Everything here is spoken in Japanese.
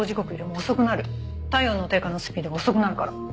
体温の低下のスピードが遅くなるから。